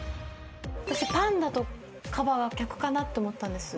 私パンダとカバが逆かなと思ったんです。